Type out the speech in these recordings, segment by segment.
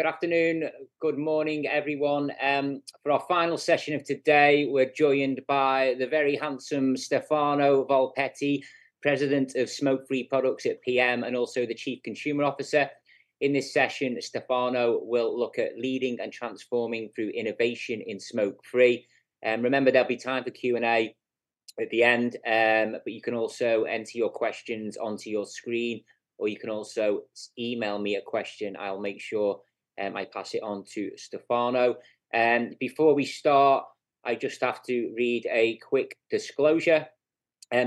Good afternoon, good morning, everyone. For our final session of today, we're joined by the very handsome Stefano Volpetti, President of Smoke-Free Products at PM, and also the Chief Consumer Officer. In this session, Stefano will look at leading and transforming through innovation in smoke-free. Remember, there'll be time for Q&A at the end, but you can also enter your questions onto your screen, or you can also email me a question. I'll make sure I pass it on to Stefano. Before we start, I just have to read a quick disclosure.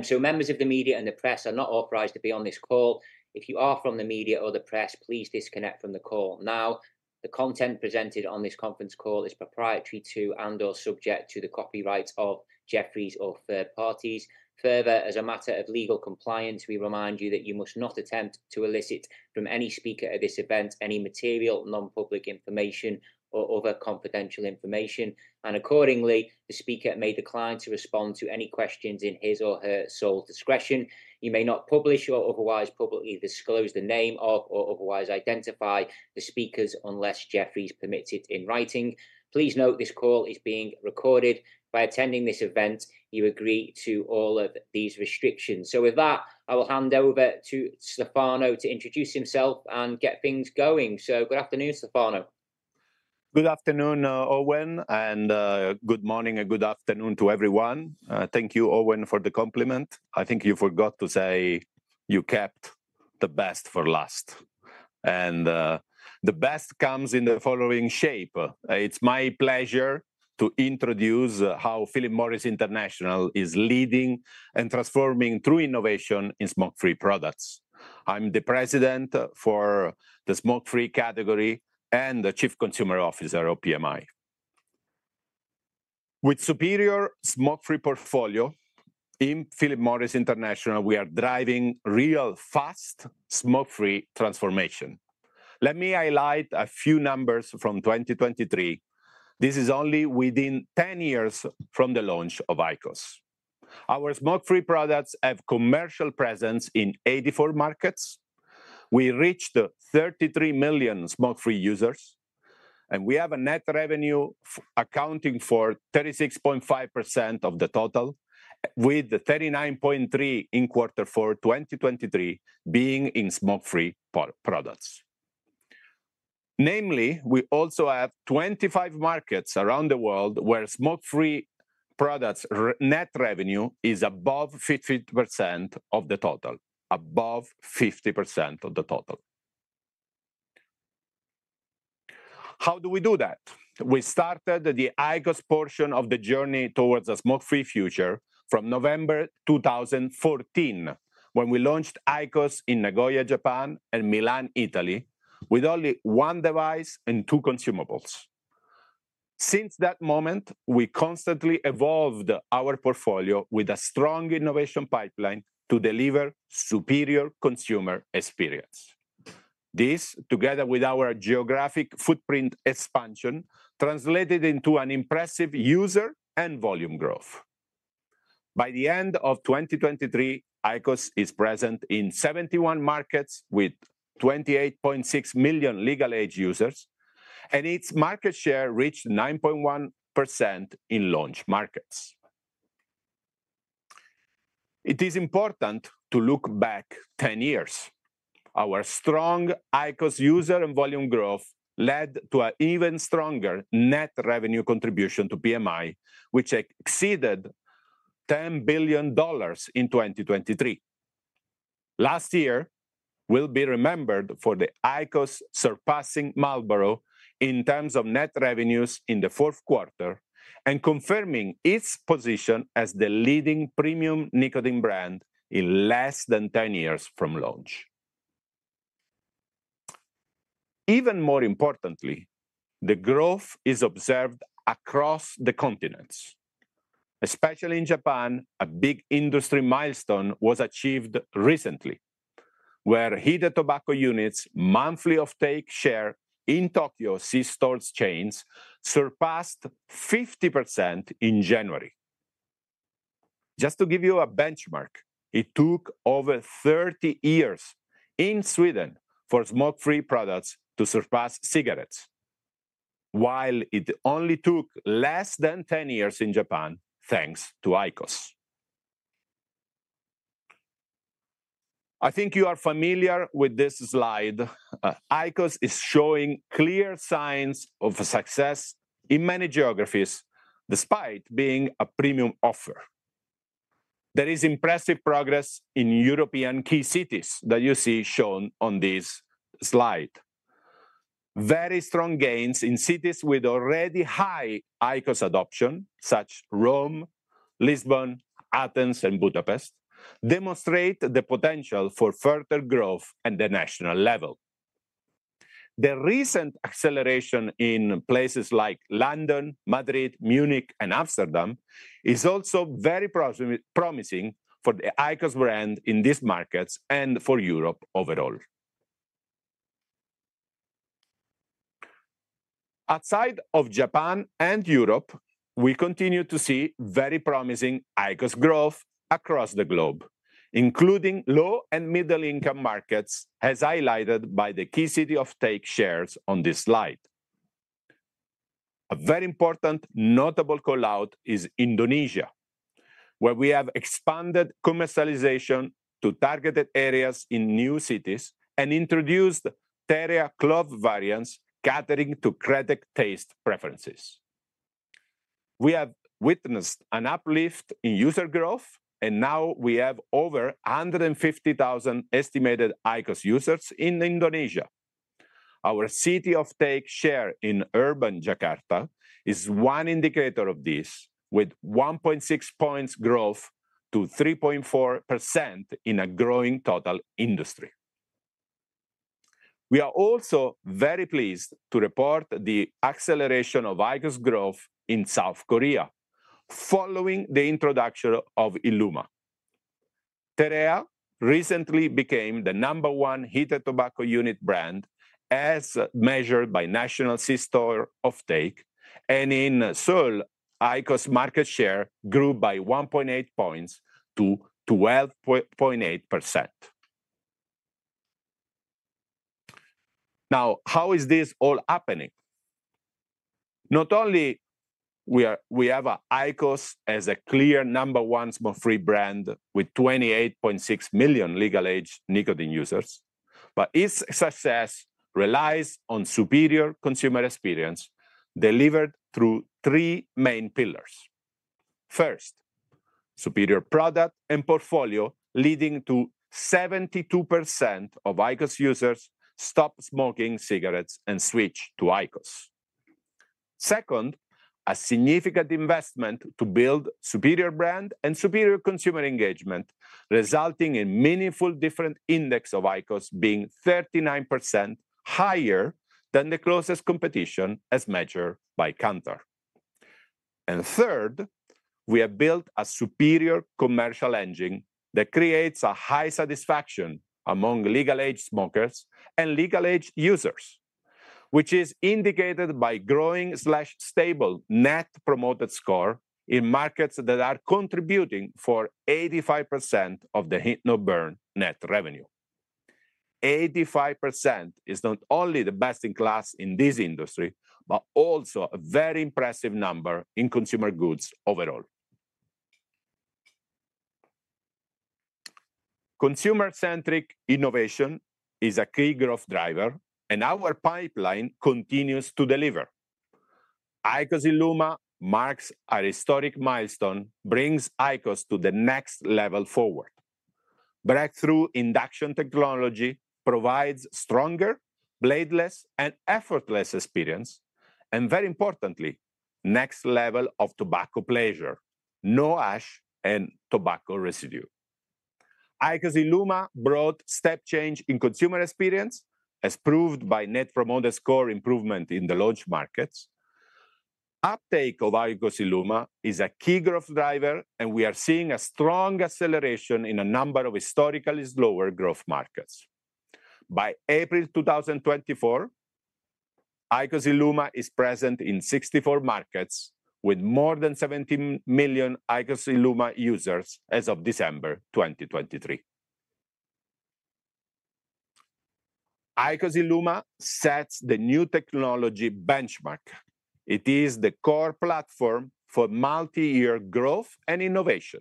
So members of the media and the press are not authorized to be on this call. If you are from the media or the press, please disconnect from the call now. The content presented on this conference call is proprietary to, and/or subject to the copyrights of Jefferies or third parties. Further, as a matter of legal compliance, we remind you that you must not attempt to elicit from any speaker at this event any material, non-public information or other confidential information, and accordingly, the speaker may decline to respond to any questions in his or her sole discretion. You may not publish or otherwise publicly disclose the name of or otherwise identify the speakers unless Jefferies permits it in writing. Please note, this call is being recorded. By attending this event, you agree to all of these restrictions. So with that, I will hand over to Stefano to introduce himself and get things going. So good afternoon, Stefano. Good afternoon, Owen, and good morning and good afternoon to everyone. Thank you, Owen, for the compliment. I think you forgot to say you kept the best for last, and the best comes in the following shape. It's my pleasure to introduce how Philip Morris International is leading and transforming through innovation in smoke-free products. I'm the President for the smoke-free category and the Chief Consumer Officer of PMI. With superior smoke-free portfolio, in Philip Morris International, we are driving real fast smoke-free transformation. Let me highlight a few numbers from 2023. This is only within 10 years from the launch of IQOS. Our smoke-free products have commercial presence in 84 markets. We reached 33 million smoke-free users, and we have a net revenue accounting for 36.5% of the total, with the 39.3 in quarter four 2023 being in smoke-free products. Namely, we also have 25 markets around the world, where smoke-free products net revenue is above 50% of the total. Above 50% of the total. How do we do that? We started the IQOS portion of the journey towards a smoke-free future from November 2014, when we launched IQOS in Nagoya, Japan, and Milan, Italy, with only 1 device and 2 consumables. Since that moment, we constantly evolved our portfolio with a strong innovation pipeline to deliver superior consumer experience. This, together with our geographic footprint expansion, translated into an impressive user and volume growth. By the end of 2023, IQOS is present in 71 markets with 28.6 million legal age users, and its market share reached 9.1% in launch markets. It is important to look back 10 years. Our strong IQOS user and volume growth led to an even stronger net revenue contribution to PMI, which exceeded $10 billion in 2023. Last year will be remembered for the IQOS surpassing Marlboro in terms of net revenues in the fourth quarter, and confirming its position as the leading premium nicotine brand in less than 10 years from launch. Even more importantly, the growth is observed across the continents. Especially in Japan, a big industry milestone was achieved recently, where heated tobacco units monthly offtake share in Tokyo C-stores chains surpassed 50% in January. Just to give you a benchmark, it took over 30 years in Sweden for smoke-free products to surpass cigarettes, while it only took less than 10 years in Japan, thanks to IQOS. I think you are familiar with this slide. IQOS is showing clear signs of success in many geographies, despite being a premium offer. There is impressive progress in European key cities that you see shown on this slide. Very strong gains in cities with already high IQOS adoption, such as Rome, Lisbon, Athens, and Budapest, demonstrate the potential for further growth at the national level. The recent acceleration in places like London, Madrid, Munich, and Amsterdam is also very promising for the IQOS brand in these markets and for Europe overall... Outside of Japan and Europe, we continue to see very promising IQOS growth across the globe, including low- and middle-income markets, as highlighted by the key city offtake shares on this slide. A very important notable call-out is Indonesia, where we have expanded commercialization to targeted areas in new cities, and introduced the clove variants, catering to kretek taste preferences. We have witnessed an uplift in user growth, and now we have over 150,000 estimated IQOS users in Indonesia. Our city offtake share in urban Jakarta is one indicator of this, with 1.6 points growth to 3.4% in a growing total industry. We are also very pleased to report the acceleration of IQOS growth in South Korea, following the introduction of ILUMA. TEREA recently became the number one heated tobacco unit brand, as measured by national C-store offtake, and in Seoul, IQOS market share grew by 1.8 points to 12.8%. Now, how is this all happening? Not only we have a IQOS as a clear number one smoke-free brand with 28.6 million legal-age nicotine users, but its success relies on superior consumer experience delivered through three main pillars. First, superior product and portfolio leading to 72% of IQOS users stop smoking cigarettes and switch to IQOS. Second, a significant investment to build superior brand and superior consumer engagement, resulting in meaningful different index of IQOS being 39% higher than the closest competition as measured by Kantar. And third, we have built a superior commercial engine that creates a high satisfaction among legal-age smokers and legal-age users, which is indicated by growing/stable Net Promoter Score in markets that are contributing for 85% of the heat-not-burn net revenue. 85% is not only the best-in-class in this industry, but also a very impressive number in consumer goods overall. Consumer-centric innovation is a key growth driver, and our pipeline continues to deliver. IQOS ILUMA marks a historic milestone, brings IQOS to the next level forward. Breakthrough induction technology provides stronger, bladeless, and effortless experience, and very importantly, next level of tobacco pleasure, no ash and tobacco residue. IQOS ILUMA brought step change in consumer experience, as proved by Net Promoter Score improvement in the launch markets. Uptake of IQOS ILUMA is a key growth driver, and we are seeing a strong acceleration in a number of historically slower growth markets. By April 2024, IQOS ILUMA is present in 64 markets, with more than 17 million IQOS ILUMA users as of December 2023. IQOS ILUMA sets the new technology benchmark. It is the core platform for multi-year growth and innovation.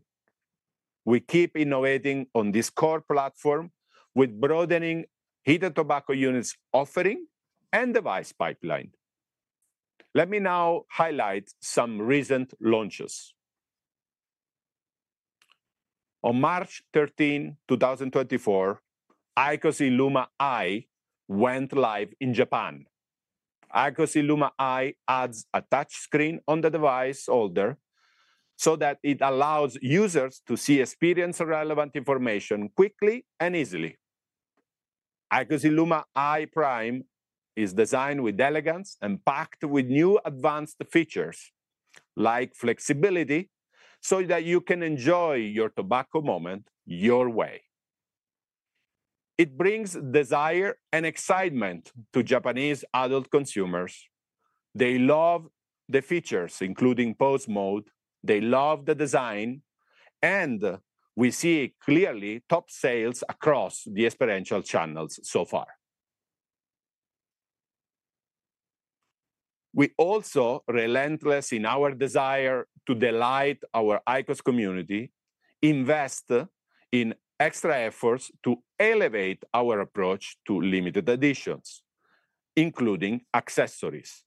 We keep innovating on this core platform with broadening heated tobacco units offering and device pipeline. Let me now highlight some recent launches. On March 13, 2024, IQOS ILUMA i went live in Japan. IQOS ILUMA i adds a touchscreen on the device holder, so that it allows users to see experience-relevant information quickly and easily. IQOS ILUMA i PRIME is designed with elegance and packed with new advanced features, like flexibility, so that you can enjoy your tobacco moment your way. It brings desire and excitement to Japanese adult consumers. They love the features, including pulse mode, they love the design, and we see clearly top sales across the experiential channels so far. We also relentless in our desire to delight our IQOS community, invest in extra efforts to elevate our approach to limited editions, including accessories.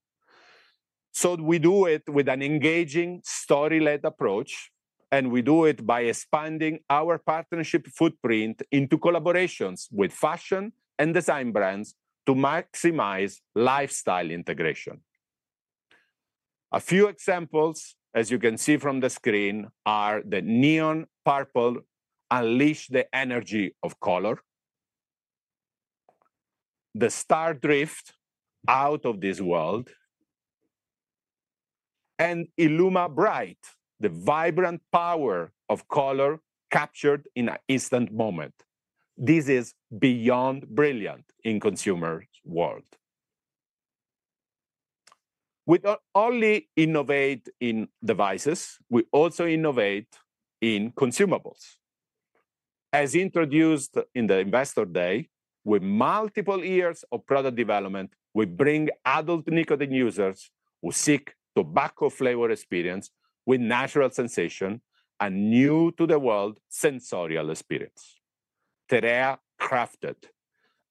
So we do it with an engaging story-led approach, and we do it by expanding our partnership footprint into collaborations with fashion and design brands to maximize lifestyle integration. A few examples, as you can see from the screen, are the Neon Purple, unleash the energy of color; the Star Drift, out of this world... and ILUMA Bright, the vibrant power of color captured in an instant moment. This is beyond brilliant in consumer's world. We not only innovate in devices, we also innovate in consumables. As introduced in the Investor Day, with multiple years of product development, we bring adult nicotine users who seek tobacco flavor experience with natural sensation, a new-to-the-world sensorial experience. TEREA Crafted,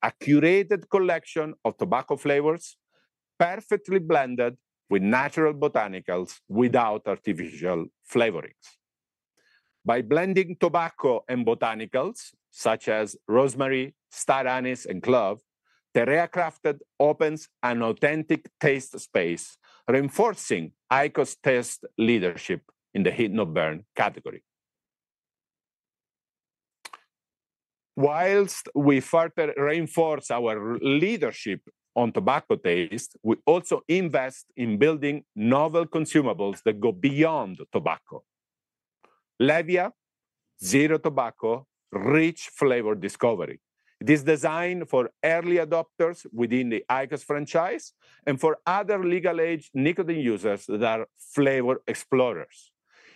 a curated collection of tobacco flavors, perfectly blended with natural botanicals without artificial flavorings. By blending tobacco and botanicals, such as rosemary, star anise, and clove, TEREA Crafted opens an authentic taste space, reinforcing IQOS taste leadership in the heat-not-burn category. While we further reinforce our leadership on tobacco taste, we also invest in building novel consumables that go beyond tobacco. Levia, zero tobacco, rich flavor discovery. It is designed for early adopters within the IQOS franchise, and for other legal-age nicotine users that are flavor explorers.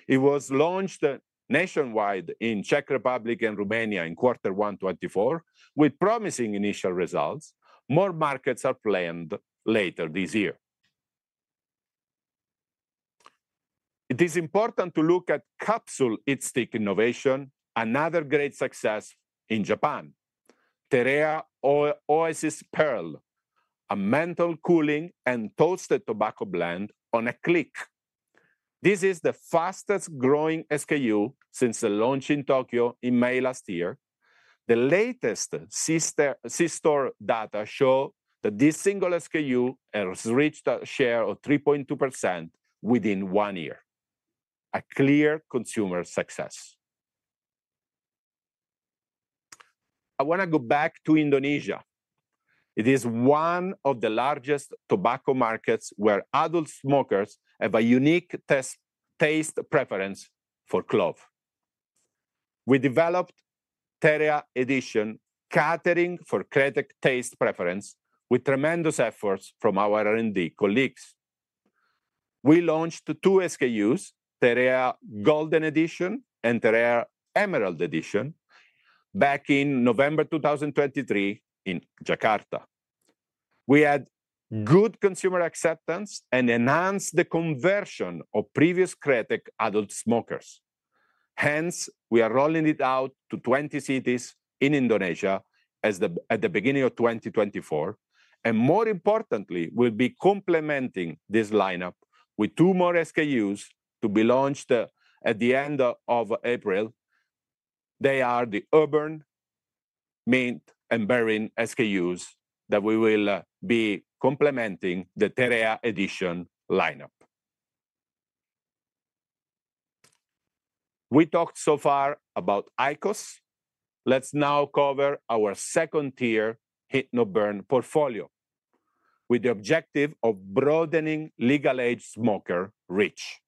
It was launched nationwide in Czech Republic and Romania in quarter one 2024, with promising initial results. More markets are planned later this year. It is important to look at capsule heatstick innovation, another great success in Japan. TEREA Oasis Pearl, a menthol cooling and toasted tobacco blend on a click. This is the fastest-growing SKU since the launch in Tokyo in May last year. The latest C-store data show that this single SKU has reached a share of 3.2% within one year, a clear consumer success. I wanna go back to Indonesia. It is one of the largest tobacco markets, where adult smokers have a unique taste, taste preference for clove. We developed TEREA Edition, catering for kretek taste preference, with tremendous efforts from our R&D colleagues. We launched two SKUs, TEREA Golden Edition and TEREA Emerald Edition, back in November 2023 in Jakarta. We had good consumer acceptance, and enhanced the conversion of previous kretek adult smokers. Hence, we are rolling it out to 20 cities in Indonesia as at the beginning of 2024, and more importantly, we'll be complementing this lineup with two more SKUs to be launched at the end of April. They are the Auburn, Mulin, and Berrin SKUs that we will be complementing the TEREA Edition lineup. We talked so far about IQOS. Let's now cover our second-tier heat-not-burn portfolio, with the objective of broadening legal-age smoker reach.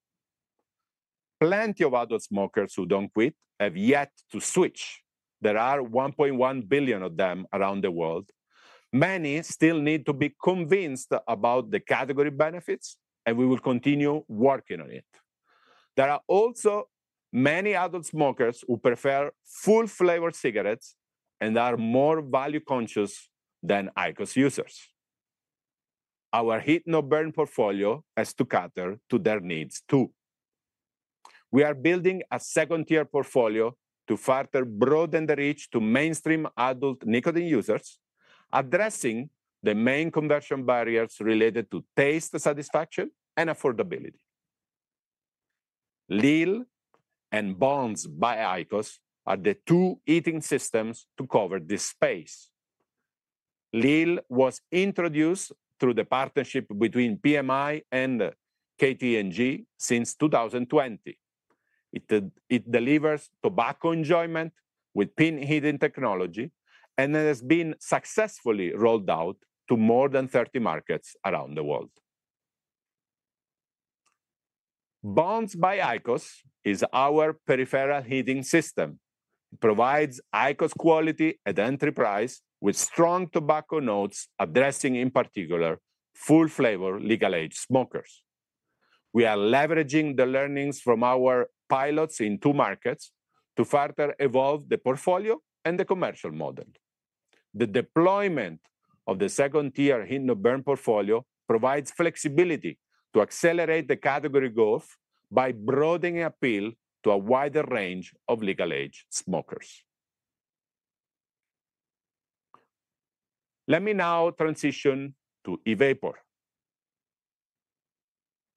Plenty of adult smokers who don't quit have yet to switch. There are 1.1 billion of them around the world. Many still need to be convinced about the category benefits, and we will continue working on it. There are also many adult smokers who prefer full-flavor cigarettes, and are more value-conscious than IQOS users. Our heat-not-burn portfolio has to cater to their needs, too. We are building a second-tier portfolio to further broaden the reach to mainstream adult nicotine users, addressing the main conversion barriers related to taste satisfaction and affordability. Lil and Bonds by IQOS are the two heating systems to cover this space. Lil was introduced through the partnership between PMI and KT&G since 2020. It delivers tobacco enjoyment with pin heating technology, and it has been successfully rolled out to more than 30 markets around the world. Bonds by IQOS is our peripheral heating system. It provides IQOS quality at entry price, with strong tobacco notes, addressing, in particular, full-flavor legal-age smokers. We are leveraging the learnings from our pilots in two markets to further evolve the portfolio and the commercial model. The deployment of the second-tier heat-not-burn portfolio provides flexibility to accelerate the category growth by broadening appeal to a wider range of legal-age smokers. Let me now transition to e-vapor.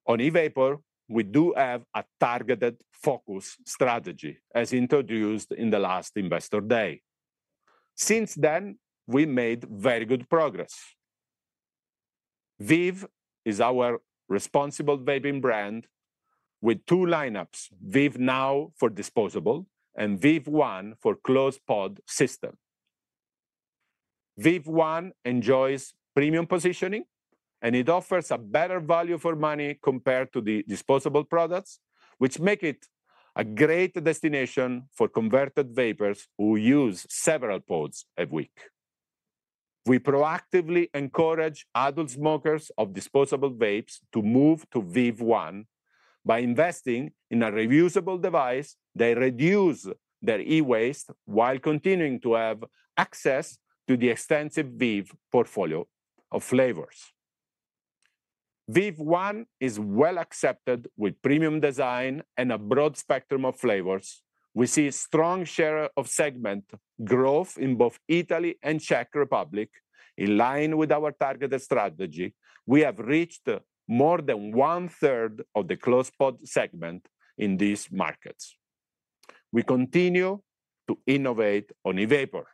On e-vapor, we do have a targeted focus strategy, as introduced in the last Investor Day. Since then, we made very good progress. VEEV is our responsible vaping brand, with two lineups: VEEV Now for disposable, and VEEV One for closed pod system. VEEV One enjoys premium positioning, and it offers a better value for money compared to the disposable products, which make it a great destination for converted vapers who use several pods a week. We proactively encourage adult smokers of disposable vapes to move to VEEV One. By investing in a reusable device, they reduce their e-waste while continuing to have access to the extensive VEEV portfolio of flavors. VEEV One is well-accepted with premium design and a broad spectrum of flavors. We see a strong share of segment growth in both Italy and Czech Republic. In line with our targeted strategy, we have reached more than one-third of the closed pod segment in these markets. We continue to innovate on e-vapor.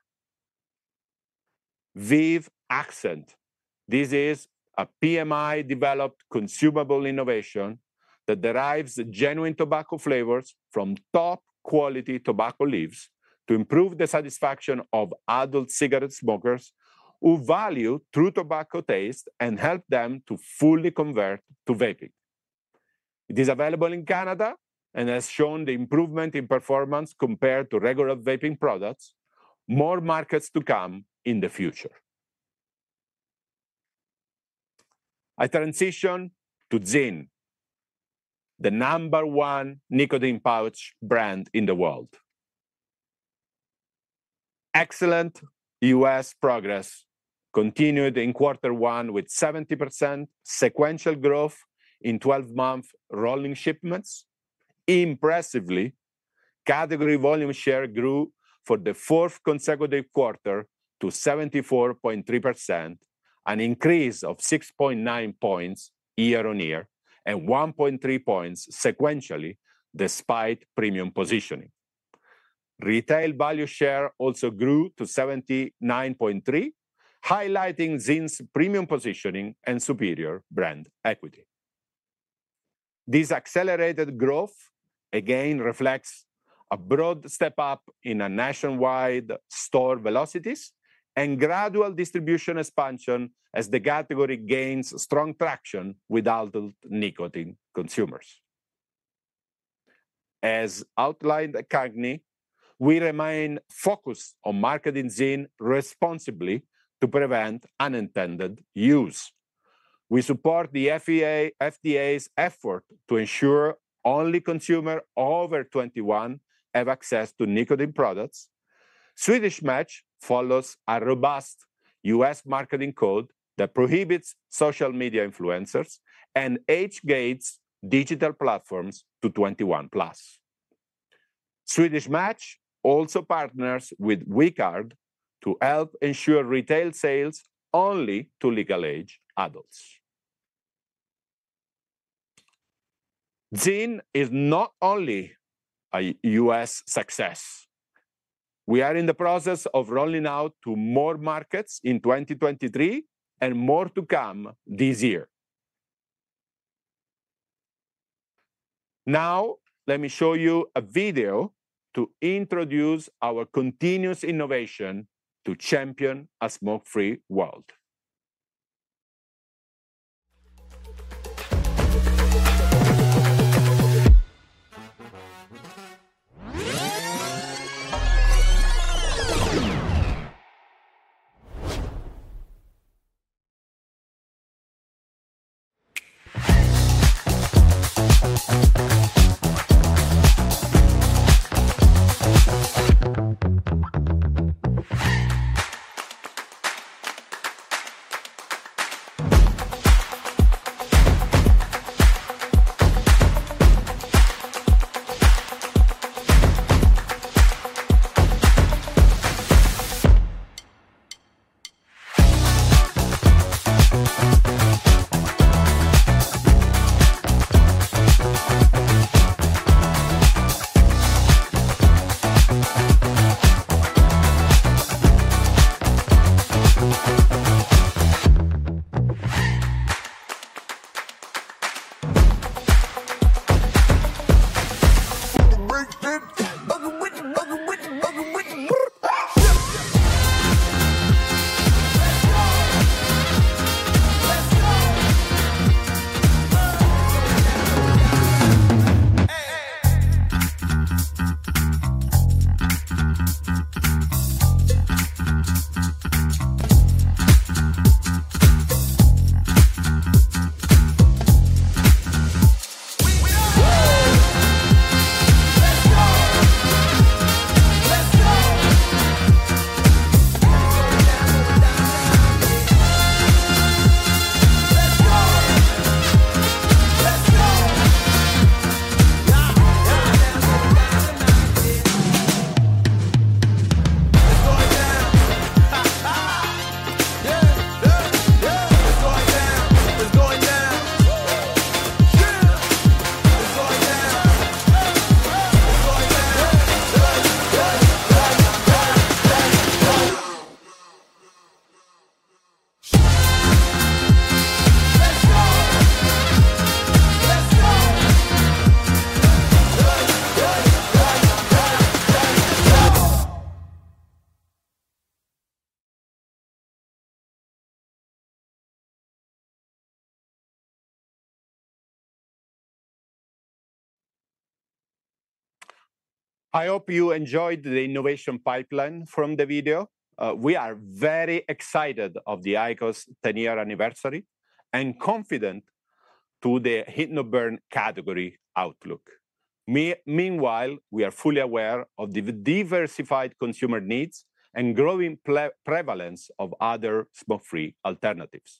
VEEV Accents, this is a PMI-developed consumable innovation that derives genuine tobacco flavors from top-quality tobacco leaves to improve the satisfaction of adult cigarette smokers who value true tobacco taste and help them to fully convert to vaping. It is available in Canada and has shown the improvement in performance compared to regular vaping products. More markets to come in the future. I transition to ZYN, the number one nicotine pouch brand in the world. Excellent U.S. progress continued in quarter one, with 70% sequential growth in 12-month rolling shipments. Impressively, category volume share grew for the fourth consecutive quarter to 74.3%, an increase of 6.9 points year-on-year, and 1.3 points sequentially, despite premium positioning. Retail value share also grew to 79.3, highlighting ZYN's premium positioning and superior brand equity. This accelerated growth again reflects a broad step-up in nationwide store velocities and gradual distribution expansion as the category gains strong traction with adult nicotine consumers. As outlined at CAGNY, we remain focused on marketing ZYN responsibly to prevent unintended use. We support the FDA's effort to ensure only consumer over 21 have access to nicotine products. Swedish Match follows a robust U.S. marketing code that prohibits social media influencers and age-gates digital platforms to 21+. Swedish Match also partners with We Card to help ensure retail sales only to legal-age adults. ZYN is not only a US success. We are in the process of rolling out to more markets in 2023, and more to come this year. Now, let me show you a video to introduce our continuous innovation to champion a smoke-free world. ... I hope you enjoyed the innovation pipeline from the video. We are very excited of the IQOS 10-year anniversary, and confident to the heat-not-burn category outlook. Meanwhile, we are fully aware of the diversified consumer needs and growing prevalence of other smoke-free alternatives.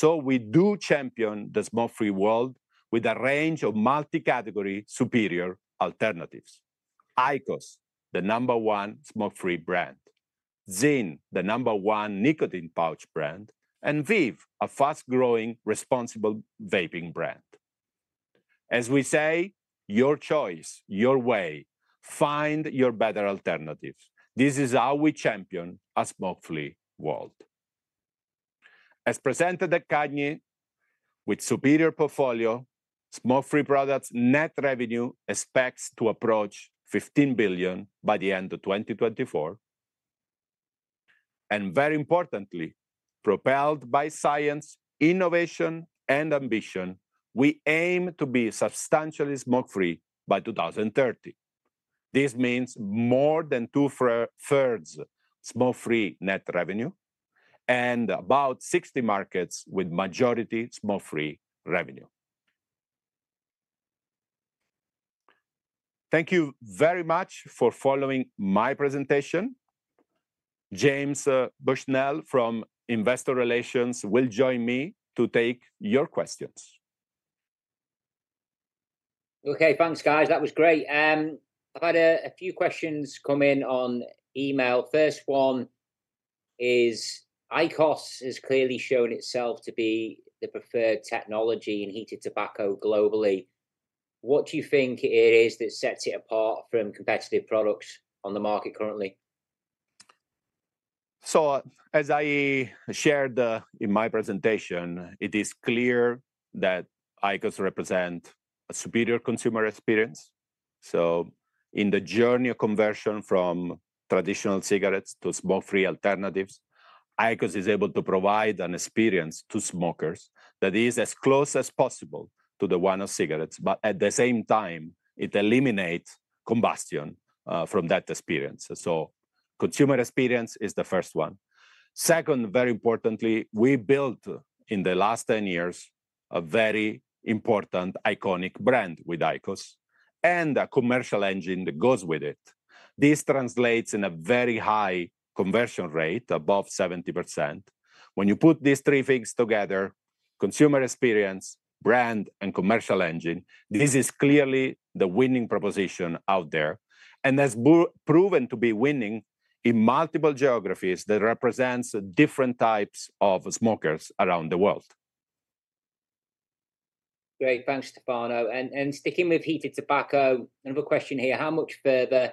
So we do champion the smoke-free world with a range of multi-category superior alternatives. IQOS, the number one smoke-free brand, ZYN, the number one nicotine pouch brand, and VEEV, a fast-growing, responsible vaping brand. As we say, "Your choice, your way. Find your better alternatives." This is how we champion a smoke-free world. As presented at CAGNY, with superior portfolio, smoke-free products net revenue expects to approach $15 billion by the end of 2024. And very importantly, propelled by science, innovation, and ambition, we aim to be substantially smoke-free by 2030. This means more than two-thirds smoke-free net revenue, and about 60 markets with majority smoke-free revenue. Thank you very much for following my presentation. James Bushnell from Investor Relations will join me to take your questions. Okay, thanks, guys. That was great. I've had a few questions come in on email. First one is: IQOS has clearly shown itself to be the preferred technology in heated tobacco globally. What do you think it is that sets it apart from competitive products on the market currently? As I shared in my presentation, it is clear that IQOS represent a superior consumer experience. In the journey of conversion from traditional cigarettes to smoke-free alternatives, IQOS is able to provide an experience to smokers that is as close as possible to the one of cigarettes, but at the same time, it eliminates combustion from that experience. Consumer experience is the first one. Second, very importantly, we built, in the last 10 years, a very important iconic brand with IQOS, and a commercial engine that goes with it. This translates in a very high conversion rate, above 70%. When you put these three things together, consumer experience, brand, and commercial engine, this is clearly the winning proposition out there, and has proven to be winning in multiple geographies that represents different types of smokers around the world. Great. Thanks, Stefano. And sticking with heated tobacco, another question here: How much further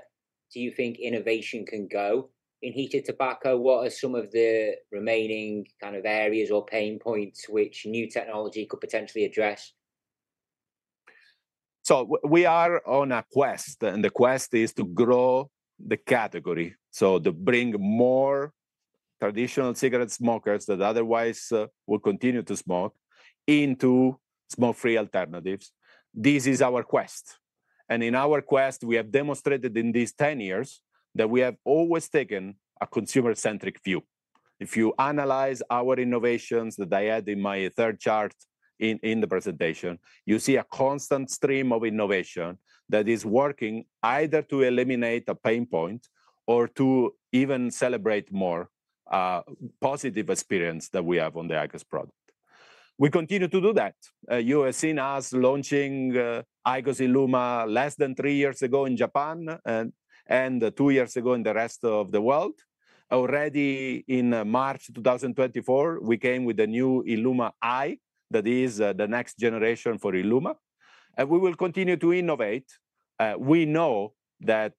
do you think innovation can go in heated tobacco? What are some of the remaining kind of areas or pain points which new technology could potentially address? So we are on a quest, and the quest is to grow the category, so to bring more traditional cigarette smokers that otherwise will continue to smoke into smoke-free alternatives. This is our quest, and in our quest, we have demonstrated in these 10 years that we have always taken a consumer-centric view. If you analyze our innovations, that I had in my third chart in the presentation, you see a constant stream of innovation that is working either to eliminate a pain point or to even celebrate more positive experience that we have on the IQOS product. We continue to do that. You have seen us launching IQOS ILUMA less than 3 years ago in Japan and 2 years ago in the rest of the world. Already in March 2024, we came with the new ILUMA i, that is, the next generation for ILUMA, and we will continue to innovate. We know that,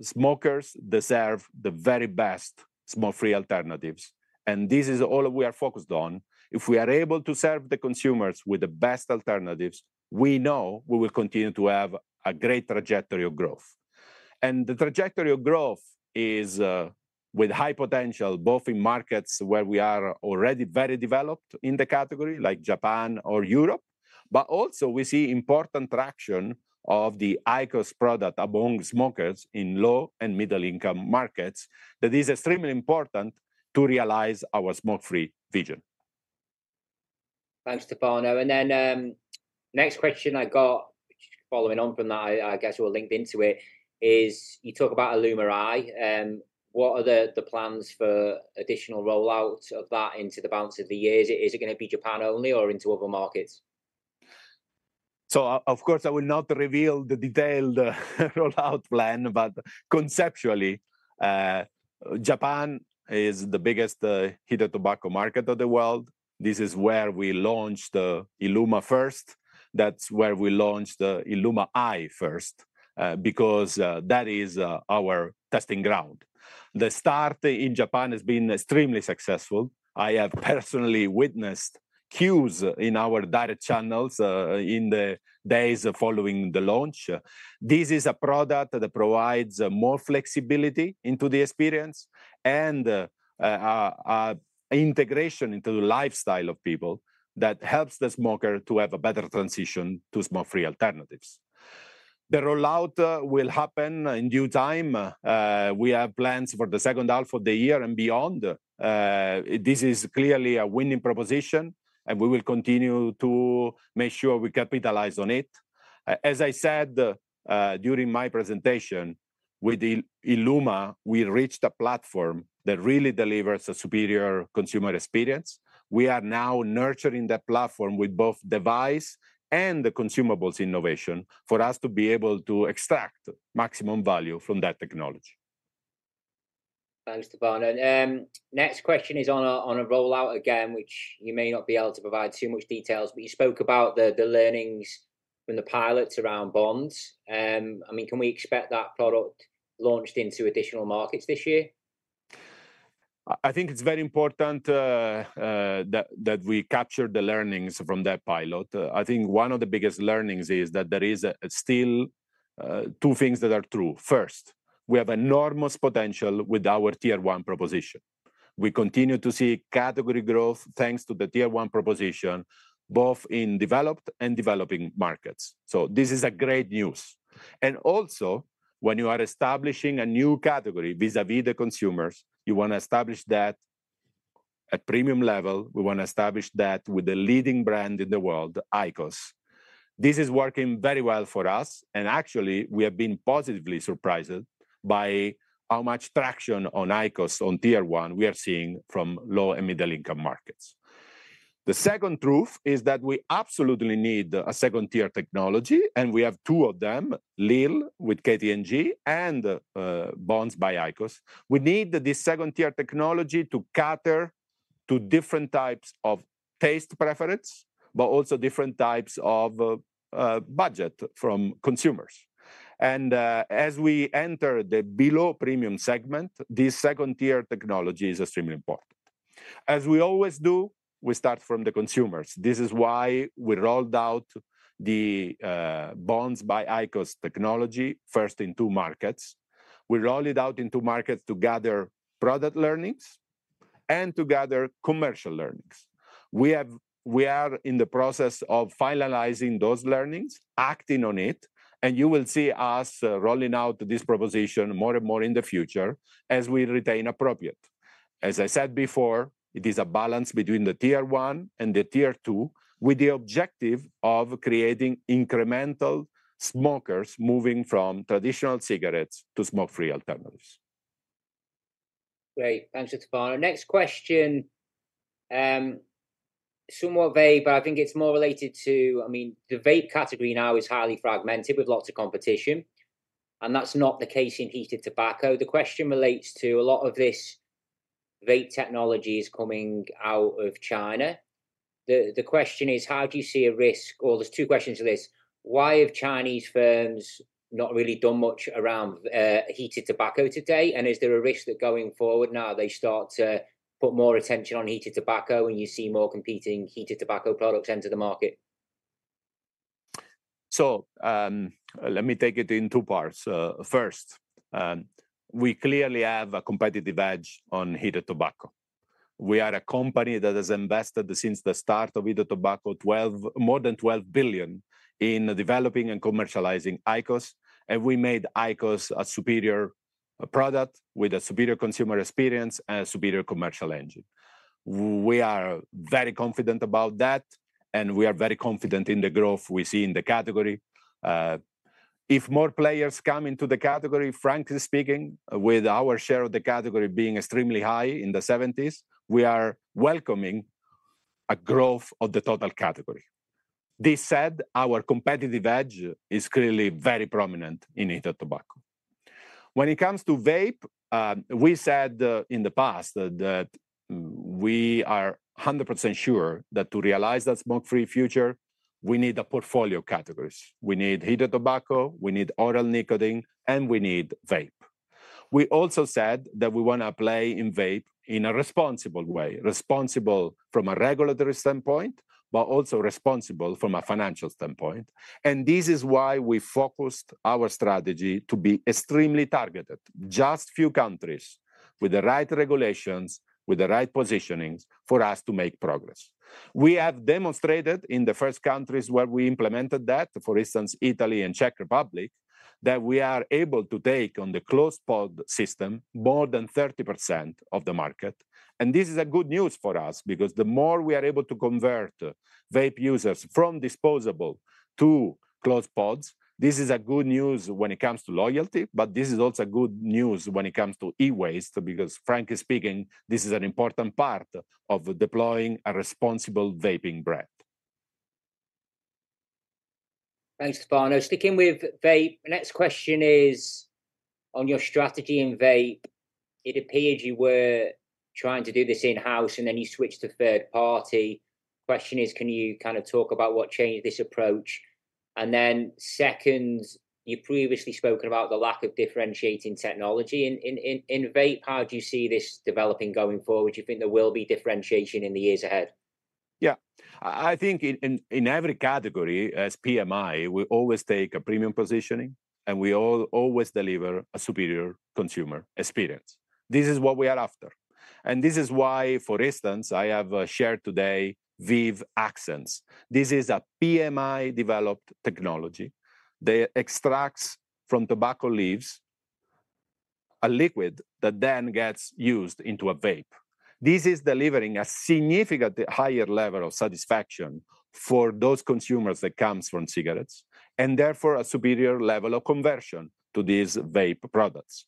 smokers deserve the very best smoke-free alternatives, and this is all we are focused on. If we are able to serve the consumers with the best alternatives, we know we will continue to have a great trajectory of growth. And the trajectory of growth is, with high potential, both in markets where we are already very developed in the category, like Japan or Europe, but also we see important traction of the IQOS product among smokers in low- and middle-income markets, that is extremely important to realize our smoke-free vision. Thanks, Stefano, and then next question I got, which following on from that, I guess, well, linked into it, is... You talk about ILUMA i. What are the plans for additional rollout of that into the balance of the year? Is it gonna be Japan only or into other markets? So, of course, I will not reveal the detailed rollout plan. But conceptually, Japan is the biggest heated tobacco market of the world. This is where we launched the ILUMA first. That's where we launched the ILUMA I first, because that is our testing ground. The start in Japan has been extremely successful. I have personally witnessed queues in our direct channels in the days following the launch. This is a product that provides more flexibility into the experience and an integration into the lifestyle of people that helps the smoker to have a better transition to smoke-free alternatives. The rollout will happen in due time. We have plans for the second half of the year and beyond. This is clearly a winning proposition, and we will continue to make sure we capitalize on it. As I said, during my presentation, with the ILUMA, we reached a platform that really delivers a superior consumer experience. We are now nurturing that platform with both device and the consumables innovation for us to be able to extract maximum value from that technology. Thanks, Stefano. Next question is on a rollout again, which you may not be able to provide too much details, but you spoke about the learnings from the pilots around Bonds. I mean, can we expect that product launched into additional markets this year? I think it's very important that we capture the learnings from that pilot. I think one of the biggest learnings is that there is still two things that are true. First, we have enormous potential with our Tier 1 proposition. We continue to see category growth, thanks to the Tier 1 proposition, both in developed and developing markets, so this is a great news. And also, when you are establishing a new category vis-à-vis the consumers, you wanna establish that at premium level, we wanna establish that with the leading brand in the world, IQOS. This is working very well for us, and actually, we have been positively surprised by how much traction on IQOS on Tier 1 we are seeing from low and middle-income markets. The second truth is that we absolutely need a second-tier technology, and we have two of them, Lil with KT&G, and Bonds by IQOS. We need this second-tier technology to cater to different types of taste preference, but also different types of budget from consumers. As we enter the below-premium segment, this second-tier technology is extremely important. As we always do, we start from the consumers. This is why we rolled out the Bonds by IQOS technology first in two markets. We roll it out in two markets to gather product learnings and to gather commercial learnings. We are in the process of finalizing those learnings, acting on it, and you will see us rolling out this proposition more and more in the future as we retain appropriate. As I said before, it is a balance between the Tier 1 and the Tier 2, with the objective of creating incremental smokers moving from traditional cigarettes to smoke-free alternatives. Great. Thanks, Stefano. Next question, somewhat vape, but I think it's more related to... I mean, the vape category now is highly fragmented, with lots of competition, and that's not the case in heated tobacco. The question relates to a lot of this vape technology is coming out of China. The question is, how do you see a risk? Or there's two questions to this: Why have Chinese firms not really done much around heated tobacco to date? And is there a risk that going forward now they start to put more attention on heated tobacco, and you see more competing heated tobacco products enter the market? Let me take it in two parts. First, we clearly have a competitive edge on heated tobacco. We are a company that has invested since the start of heated tobacco, more than $12 billion in developing and commercializing IQOS, and we made IQOS a superior product, with a superior consumer experience and a superior commercial engine. We are very confident about that, and we are very confident in the growth we see in the category. If more players come into the category, frankly speaking, with our share of the category being extremely high, in the 70s%, we are welcoming a growth of the total category. This said, our competitive edge is clearly very prominent in heated tobacco. When it comes to vape, we said in the past that we are 100% sure that to realize that smoke-free future, we need a portfolio of categories. We need heated tobacco, we need oral nicotine, and we need vape. We also said that we wanna play in vape in a responsible way, responsible from a regulatory standpoint, but also responsible from a financial standpoint, and this is why we focused our strategy to be extremely targeted. Just few countries with the right regulations, with the right positionings for us to make progress. We have demonstrated in the first countries where we implemented that, for instance, Italy and Czech Republic, that we are able to take on the closed pod system more than 30% of the market. This is good news for us, because the more we are able to convert vape users from disposable to closed pods, this is good news when it comes to loyalty, but this is also good news when it comes to e-waste, because frankly speaking, this is an important part of deploying a responsible vaping brand. Thanks, Stefano. Sticking with vape, the next question is on your strategy in vape. It appeared you were trying to do this in-house, and then you switched to third party. Question is, can you kind of talk about what changed this approach? And then second, you've previously spoken about the lack of differentiating technology in vape. How do you see this developing going forward? Do you think there will be differentiation in the years ahead? Yeah. I think in every category, as PMI, we always take a premium positioning and we always deliver a superior consumer experience. This is what we are after, and this is why, for instance, I have shared today VEEV Accents. This is a PMI-developed technology that extracts from tobacco leaves a liquid that then gets used into a vape. This is delivering a significantly higher level of satisfaction for those consumers that comes from cigarettes, and therefore, a superior level of conversion to these vape products.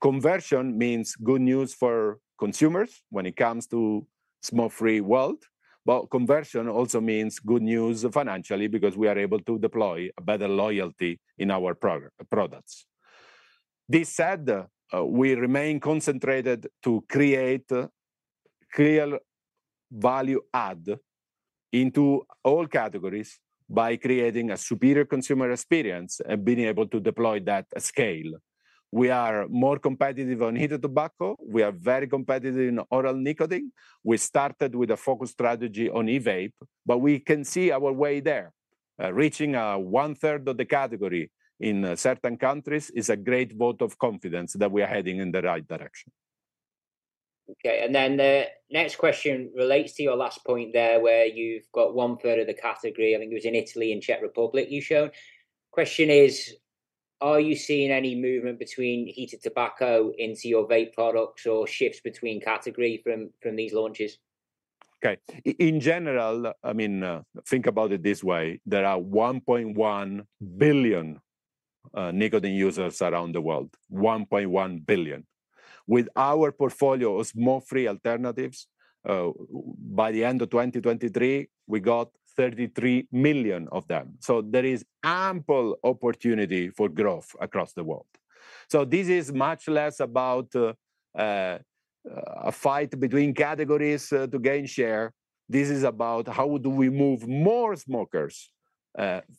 Conversion means good news for consumers when it comes to smoke-free world, but conversion also means good news financially because we are able to deploy a better loyalty in our products. This said, we remain concentrated to create clear value add into all categories by creating a superior consumer experience and being able to deploy that at scale. We are more competitive on heated tobacco. We are very competitive in oral nicotine. We started with a focused strategy on e-vape, but we can see our way there. Reaching, one-third of the category in certain countries is a great vote of confidence that we are heading in the right direction. Okay, and then the next question relates to your last point there, where you've got one-third of the category, I think it was in Italy and Czech Republic you showed. Question is, are you seeing any movement between heated tobacco into your vape products or shifts between category from these launches? Okay. In general, I mean, think about it this way: there are 1.1 billion nicotine users around the world, 1.1 billion. With our portfolio of smoke-free alternatives, by the end of 2023, we got 33 million of them, so there is ample opportunity for growth across the world. So this is much less about a fight between categories to gain share. This is about how do we move more smokers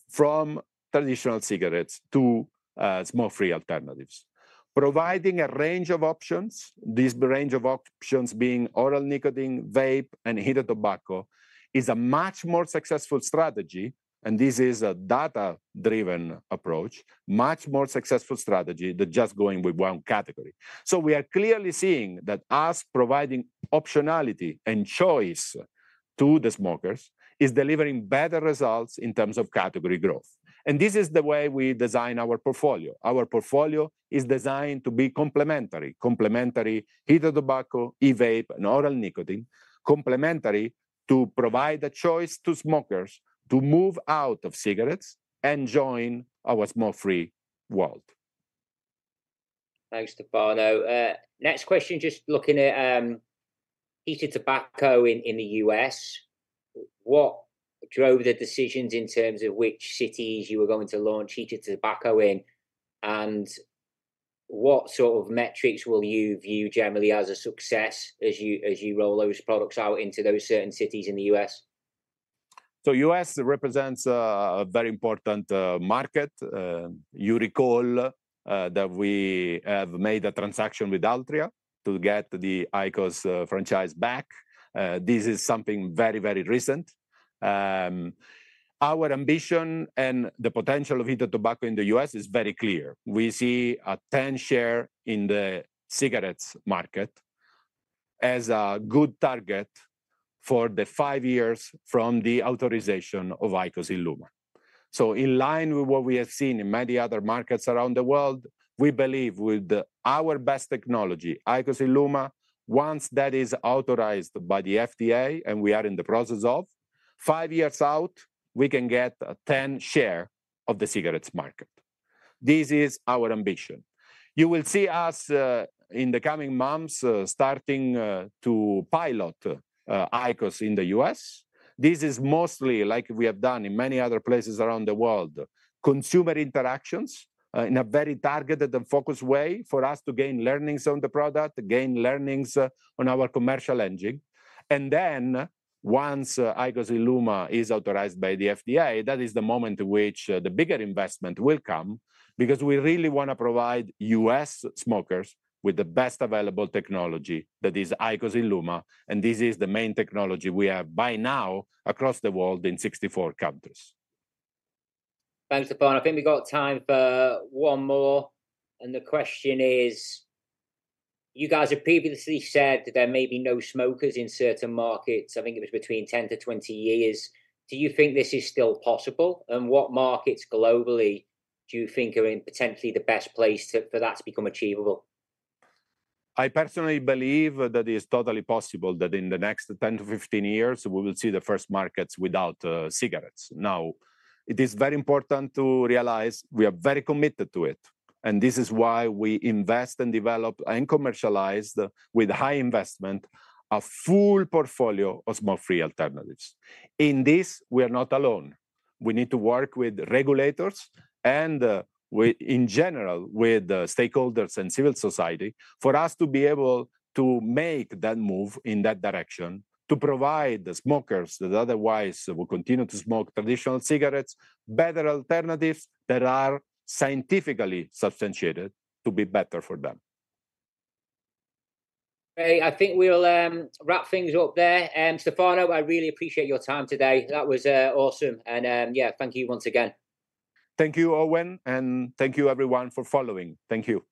from traditional cigarettes to smoke-free alternatives. Providing a range of options, this range of options being oral nicotine, vape, and heated tobacco, is a much more successful strategy, and this is a data-driven approach, much more successful strategy than just going with one category. We are clearly seeing that us providing optionality and choice to the smokers is delivering better results in terms of category growth, and this is the way we design our portfolio. Our portfolio is designed to be complementary, complementary heated tobacco, e-vape, and oral nicotine, complementary to provide a choice to smokers to move out of cigarettes and join our smoke-free world. Thanks, Stefano. Next question, just looking at heated tobacco in the U.S. What drove the decisions in terms of which cities you were going to launch heated tobacco in, and what sort of metrics will you view generally as a success as you roll those products out into those certain cities in the U.S.? So the U.S. represents a very important market. You recall that we have made a transaction with Altria to get the IQOS franchise back. This is something very, very recent. Our ambition and the potential of heated tobacco in the U.S. is very clear. We see a 10 share in the cigarettes market as a good target for the five years from the authorization of IQOS ILUMA. So in line with what we have seen in many other markets around the world, we believe with our best technology, IQOS ILUMA, once that is authorized by the FDA, and we are in the process of, five years out, we can get a 10 share of the cigarettes market. This is our ambition. You will see us in the coming months starting to pilot IQOS in the U.S. This is mostly, like we have done in many other places around the world, consumer interactions, in a very targeted and focused way for us to gain learnings on the product, gain learnings, on our commercial engine. And then, once IQOS ILUMA is authorized by the FDA, that is the moment at which, the bigger investment will come, because we really wanna provide U.S. smokers with the best available technology, that is IQOS ILUMA, and this is the main technology we have by now across the world in 64 countries. Thanks, Stefano. I think we've got time for one more, and the question is, you guys have previously said that there may be no smokers in certain markets, I think it was between 10-20 years. Do you think this is still possible? And what markets globally do you think are in potentially the best place to, for that to become achievable? I personally believe that it is totally possible that in the next 10-15 years, we will see the first markets without cigarettes. Now, it is very important to realize we are very committed to it, and this is why we invest and develop and commercialize, with high investment, a full portfolio of smoke-free alternatives. In this, we are not alone. We need to work with regulators and with... in general, with stakeholders and civil society, for us to be able to make that move in that direction, to provide the smokers that otherwise will continue to smoke traditional cigarettes, better alternatives that are scientifically substantiated to be better for them. Great. I think we'll wrap things up there. Stefano, I really appreciate your time today. That was awesome, and yeah, thank you once again. Thank you, Owen, and thank you everyone for following. Thank you.